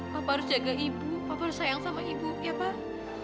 bapak harus jaga ibu papa harus sayang sama ibu ya pak